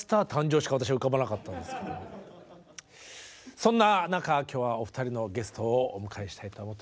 そんな中今日はお二人のゲストをお迎えしたいと思っております。